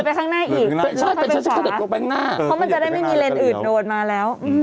ไปข้างหน้าอีกเป็นทางที่เข้าไปหน้าก็มันจะได้ไม่มีเลนส์อื่นโดนมาแล้ว